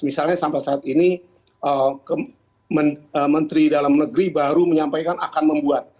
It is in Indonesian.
misalnya sampai saat ini menteri dalam negeri baru menyampaikan akan membuat